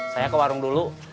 saya ke warung dulu